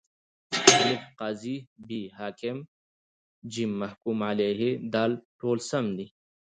الف: قاضي ب: حاکم ج: محکوم علیه د: ټوله سم دي.